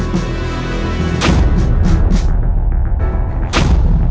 unit gue seberang itu